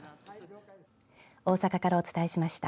大阪からお伝えしました。